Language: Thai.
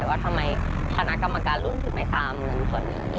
ว่าทำไมคณะกรรมการโลกถึงไม่ตามเงินส่วนนี้